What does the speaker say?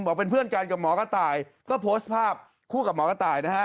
บอกเป็นเพื่อนกันกับหมอกระต่ายก็โพสต์ภาพคู่กับหมอกระต่ายนะฮะ